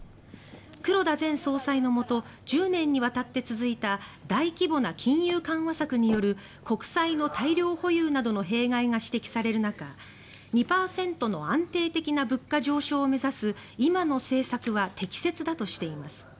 黒田前総裁のもと１０年にわたって続いた大規模な金融緩和策による国債の大量保有などの弊害が指摘される中２％の安定的な物価上昇を目指す今の政策は適切だとしています。